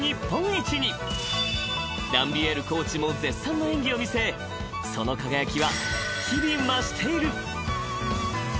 ［ランビエールコーチも絶賛の演技を見せその輝きは日々増している］